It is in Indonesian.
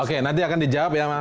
oke nanti akan dijawab ya mas